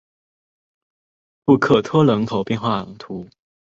布克托人口变化图示